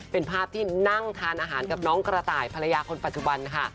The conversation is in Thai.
เป็นภาพที่นั่งทานอาหารกับน้องกระต่ายภรรยาคนปัจจุบันค่ะ